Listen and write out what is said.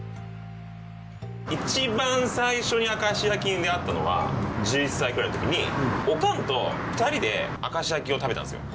一番最初に明石焼きに出会ったのは１１歳くらいのときにおかんと２人で明石焼きを食べたんですよ。